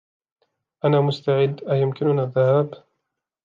أنا مستعد! أيمكننا الذهاب ؟